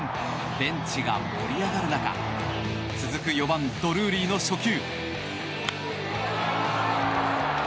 ベンチが盛り上がる中続く４番、ドゥルーリーの初球。